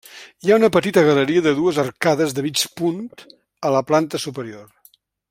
Hi ha una petita galeria de dues arcades de mig punt a la planta superior.